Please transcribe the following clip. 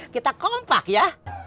kita kompak ya